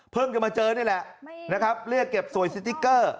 จะมาเจอนี่แหละนะครับเรียกเก็บสวยสติ๊กเกอร์